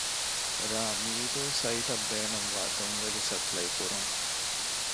ރ.މީދޫ ސައިޓަށް ބޭނުންވާ ދޮންވެލި ސަޕްލައިކުރުން